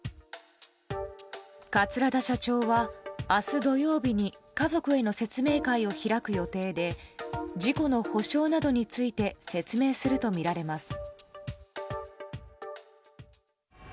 桂田社長は明日土曜日に家族への説明会を開く予定で事故の補償などについて説明するとみられます。